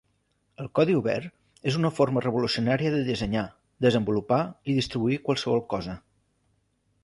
El Codi Obert és una forma revolucionària de dissenyar, desenvolupar i distribuir qualsevol cosa.